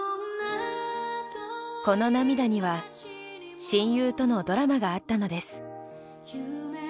この涙には親友とのドラマがあったのです。